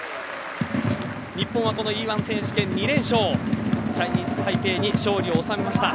日本はこのＥ‐１選手権２連勝チャイニーズタイペイに勝利を収めました。